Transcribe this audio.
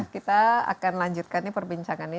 kita akan lanjutkan perbincangannya